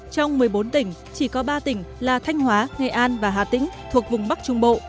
trong một mươi bốn tỉnh chỉ có ba tỉnh là thanh hóa nghệ an và hà tĩnh thuộc vùng bắc trung bộ